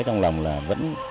trong lòng là vẫn